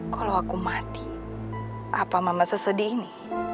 kalau aku mati apa mama sesedih ini